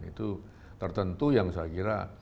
itu tertentu yang saya kira